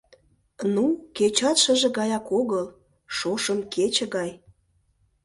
Ну, кечат шыже гаят огыл, шошым кече гай!